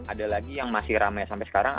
ada lagi yang masih ramai sampai sekarang